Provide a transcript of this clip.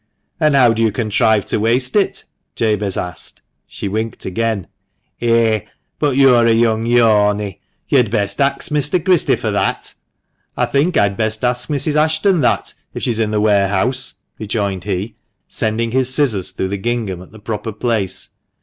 "And how do you contrive to waste it?" Jabez asked. She winked again. "Eh, but yo're a young yorney. Yo'd best ax Mester Christopher that." "I think I'd best ask Mrs. Ashton that, if she's in the warehouse," rejoined he, sending his scissors through the gingham at the proper place.